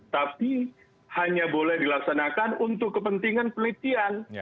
tapi hanya boleh dilaksanakan untuk kepentingan pelitian